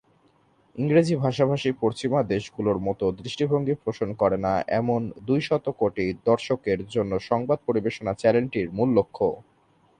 ইংরেজি ভাষাভাষী পশ্চিমা দেশগুলোর মত দৃষ্টিভঙ্গি পোষণ করে না এমন দুইশত কোটি দর্শকের জন্য সংবাদ পরিবেশনা চ্যানেলটির মূল লক্ষ্য।